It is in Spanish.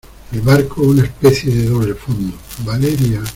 el barco, una especie de doble fondo. Valeria .